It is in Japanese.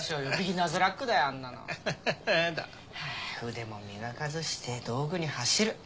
腕も磨かずして道具に走る。